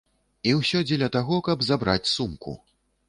І ўсё дзеля таго, каб забраць сумку.